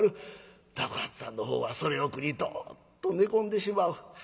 雑穀八さんのほうはそれを苦にどっと寝込んでしまう。